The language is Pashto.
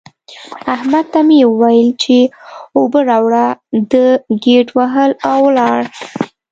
احمد ته مې وويل چې اوبه راوړه؛ ده ګيت وهل او ولاړ.